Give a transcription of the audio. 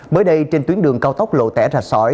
mới đây trên tuyến đường cao tốc lộ tẻ rạch sỏi